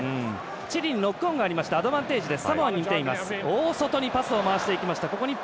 チリノックオンがありましたアドバンテージです。